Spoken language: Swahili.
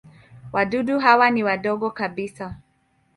Wadudu hawa ni wadogo kabisa.